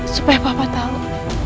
supaya papa tau